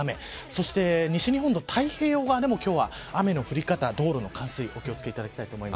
そして西日本の太平洋側でも雨の降り方、道路の冠水お気を付けください。